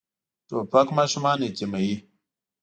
توپک ماشومان یتیموي.